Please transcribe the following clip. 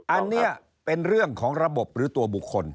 อันนี้เป็นเรื่องของระบบหรือตัวบุคคล